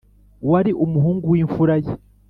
wari umuhungu w’imfura ye